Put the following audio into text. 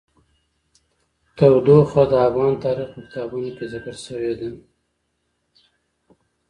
تودوخه د افغان تاریخ په کتابونو کې ذکر شوی دي.